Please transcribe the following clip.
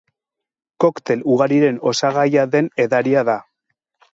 Koktel ugariren osagaia den edaria da.